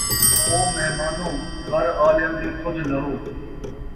آو مہمانو گھر آلیاں دی سُدھ لہو